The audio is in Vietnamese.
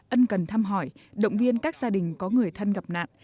ân cần thăm hỏi động viên các gia đình có người thân gặp nạn